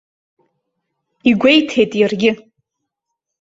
Игәеиҭеит иаргьы.